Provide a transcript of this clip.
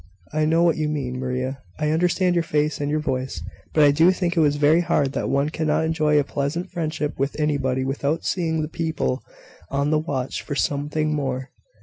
I know what you mean, Maria. I understand your face and your voice. But I do think it is very hard that one cannot enjoy a pleasant friendship with anybody without seeing people on the watch for something more.